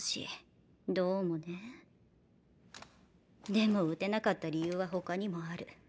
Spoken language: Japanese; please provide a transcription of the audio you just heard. でも撃てなかった理由は他にもある。